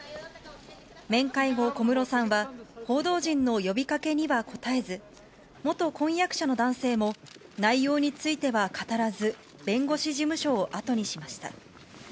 面会後、小室さんは、報道陣の呼びかけには答えず、元婚約者の男性も内容については語らず、弁護士事務所を後にしました。